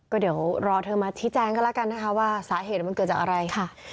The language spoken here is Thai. ก็เดี๋ยวรอเธอมาชี้แจงกันแล้วกันนะคะว่าสาเหตุมันเกิดจากอะไรค่ะ